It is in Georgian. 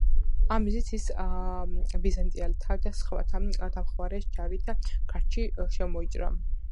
ამ მიზნით ის ბიზანტიელთა და სხვათა დამხმარე ჯარით ქართლში შემოიჭრა.